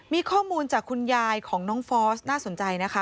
มีข้อมูลจากคุณยายของน้องฟอสน่าสนใจนะคะ